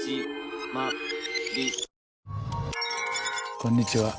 こんにちは。